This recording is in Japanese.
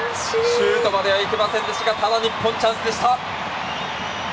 シュートまでいけませんでしたがただ日本チャンスでした。